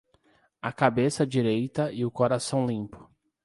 A cabeça direita e o coração limpo.